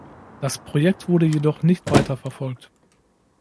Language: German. Das Projekt wurde jedoch nicht weiter verfolgt.